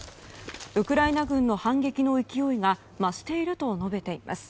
ウクライナ軍の反撃の勢いが増していると述べています。